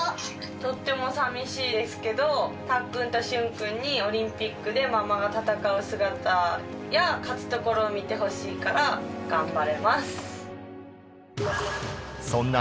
とってもさみしいですけど、たっくんと旬君にオリンピックでママが戦う姿や、勝つところを見てほしいから、頑張れます。